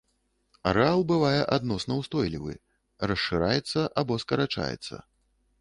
Арэал бывае адносна ўстойлівы, расшыраецца або скарачаецца.